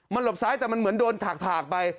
มันหลบซ้ายแต่มันเหมือนโดนถากไป